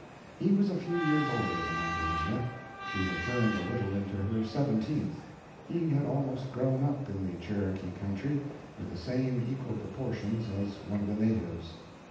He was a few years older than Ambulinia: she had turned a little into her seventeenth. He had almost grown up in the Cherokee country, with the same equal proportions as one of the natives.